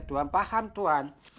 tuan paham tuan